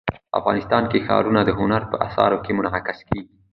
افغانستان کې ښارونه د هنر په اثار کې منعکس کېږي.